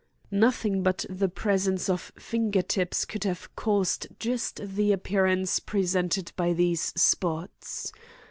Nothing but the pressure of fingertips could have caused just the appearance presented by these spots.